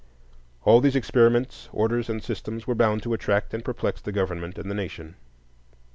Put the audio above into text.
All these experiments, orders, and systems were bound to attract and perplex the government and the nation.